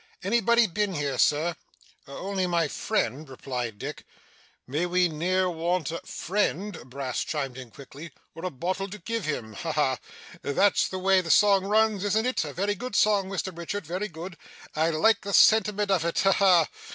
Anybody been here, sir?' 'Only my friend' replied Dick. 'May we ne'er want a ' 'Friend,' Brass chimed in quickly, 'or a bottle to give him. Ha ha! That's the way the song runs, isn't it? A very good song, Mr Richard, very good. I like the sentiment of it. Ha ha!